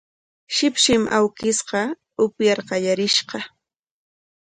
Shipshim awkishqa upyar qallarishqa